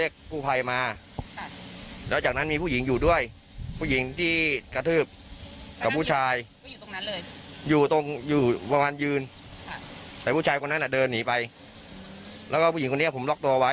เรียกผู้ภัยมาแล้วจากนั้นมีผู้หญิงอยู่ด้วยผู้หญิงที่กระทืบกับผู้ชายอยู่ตรงนั้นเลยอยู่ตรงอยู่ประมาณยืนแต่ผู้ชายคนนั้นอ่ะเดินหนีไปแล้วก็ผู้หญิงคนนี้ผมล็อกตัวไว้